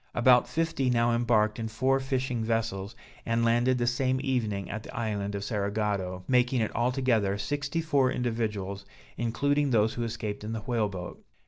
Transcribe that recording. About fifty now embarked in four fishing vessels, and landed the same evening at the island of Cerigotto, making altogether sixty four individuals, including those who escaped in the whale boat.